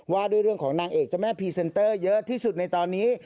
ว่าด้วยเรื่องของนางเอกเจ้าแม่พรีเซนเตอร์เยอะที่สุดในตอนนี้